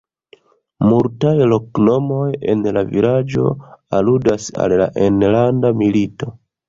Multaj loknomoj en la vilaĝo aludas al la enlanda milito.